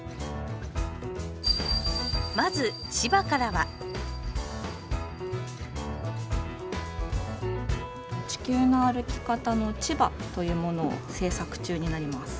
まず千葉からは「地球の歩き方」の「千葉」というものを制作中になります。